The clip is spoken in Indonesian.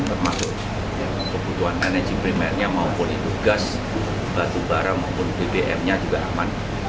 termasuk kebutuhan energi primernya maupun itu gas batu bara maupun bbmnya juga aman